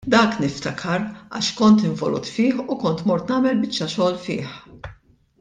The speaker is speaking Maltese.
Dak niftakar għax kont involut fih u kont mort nagħmel biċċa xogħol fih.